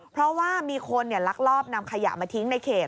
เพราะว่ามีคนลักลอบนำขยะมาทิ้งในเขต